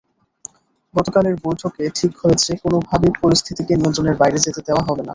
গতকালের বৈঠকে ঠিক হয়েছে, কোনোভাবেই পরিস্থিতিকে নিয়ন্ত্রণের বাইরে যেতে দেওয়া হবে না।